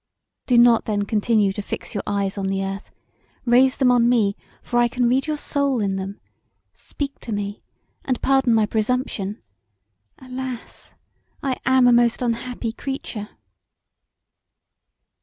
Do not then continue to fix your eyes on the earth; raise them on me for I can read your soul in them: speak to me to me, and pardon my presumption. Alas! I am a most unhappy creature!"